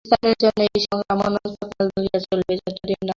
বিস্তারের জন্য এই সংগ্রাম অনন্তকাল ধরিয়া চলিবেই, যতদিন না মুক্তিলাভ হয়।